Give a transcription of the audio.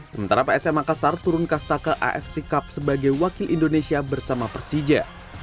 sementara psm makassar turun kasta ke afc cup sebagai wakil indonesia bersama persija